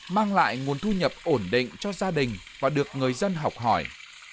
mang lại nguồn thu nhập ổn định cho gia đình và được người dân học hỏi